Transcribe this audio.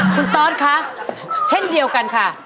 คุณตอสคะเช่นเดียวกันค่ะ